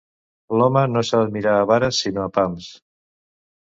L'home no s'ha d'amidar a vares, sinó a pams.